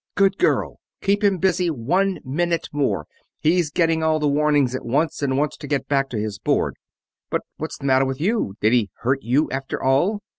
"Good girl keep him busy one minute more he's getting all the warnings at once and wants to get back to his board. But what's the matter with you? Did he ... hurt you, after all?"